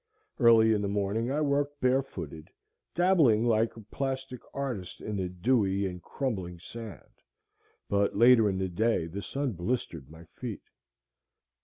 Early in the morning I worked barefooted, dabbling like a plastic artist in the dewy and crumbling sand, but later in the day the sun blistered my feet.